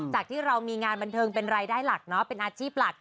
จากที่เรามีงานบันเทิงเป็นรายได้หลักเป็นอาชีพหลัก